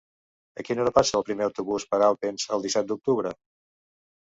A quina hora passa el primer autobús per Alpens el disset d'octubre?